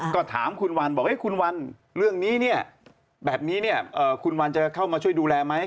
ก็ถามคุณวันบอกคุณวันเรื่องนี้เนี่ยแบบนี้เนี่ยคุณวันจะเข้ามาช่วยดูแลไหม